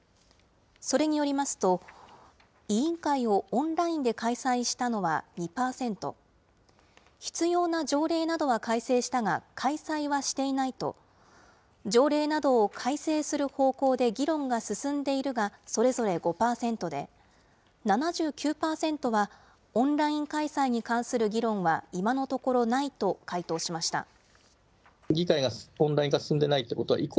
それによりますと、委員会をオンラインで開催したのは２％、必要な条例などは改正したが開催はしていないと、条例などを改正する方向で議論が進んでいるがそれぞれ５％で、７９％はオンライン開催に関する議論は今のところないと回答しました。